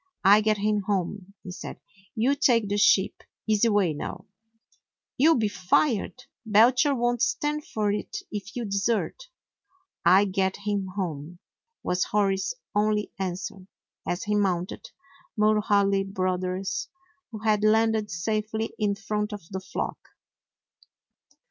"I get him home," he said. "You take the sheep. Easy way now." "You 'll be fired. Belcher won't stand for it if you desert." "I get him home," was Hori's only answer, as he mounted Mulhaly Brothers, who had landed safely in front of the flock.